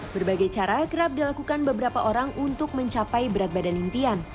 berbagai cara kerap dilakukan beberapa orang untuk mencapai berat badan impian